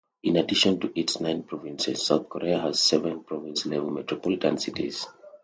In addition to its nine provinces, South Korea has seven province-level metropolitan cities.